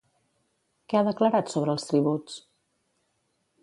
Què ha declarat sobre els tributs?